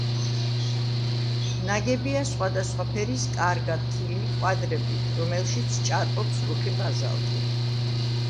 ნაგებია სხვადასხვა ფერის კარგად თლილი კვადრებით, რომელშიც ჭარბობს რუხი ბაზალტი.